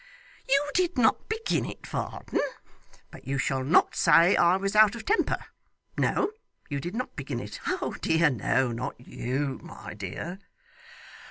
'You did not begin it, Varden! But you shall not say I was out of temper. No, you did not begin it, oh dear no, not you, my dear!